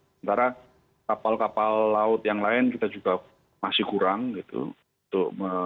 sementara kapal kapal laut yang lain kita juga masih kurang gitu